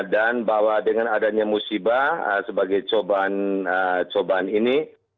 dan bahwa dengan adanya musibah sebagai cobaan cobaan ini